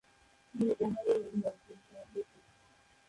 তিনি ওহাইওর অধিবাসী।